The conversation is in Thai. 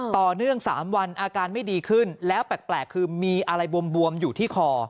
ต่อเนื่อง๓วันอาการไม่ดีขึ้นแล้วแปลกคือมีอะไรบวมอยู่ที่คอ